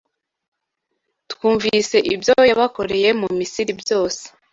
Twumvise ibyo yabakoreye mu Misiri byose